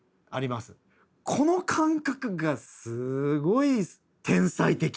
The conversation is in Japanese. この感覚がすごい天才的。